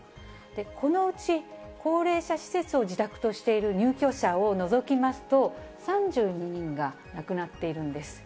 このうち高齢者施設を自宅としている入居者を除きますと、３２人が亡くなっているんです。